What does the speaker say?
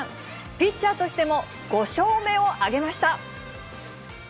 ピッチャーとしても５勝目を挙げました。